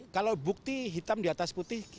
kalau bukti hitam di atas putih